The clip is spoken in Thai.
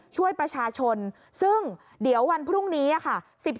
ช่วยประชาชนซึ่งเดี๋ยววันพรุ่งนี้ค่ะ